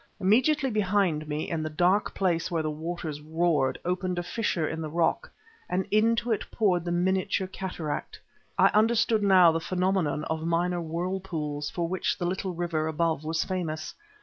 Immediately behind me, in the dark place where the waters roared, opened a fissure in the rock, and into it poured the miniature cataract; I understood now the phenomenon of minor whirlpools for which the little river above was famous.